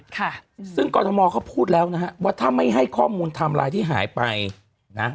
ค่ะซึ่งกรทมเขาพูดแล้วนะฮะว่าถ้าไม่ให้ข้อมูลไทม์ไลน์ที่หายไปนะ